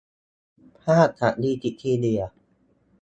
ภาพจากวิกิพีเดีย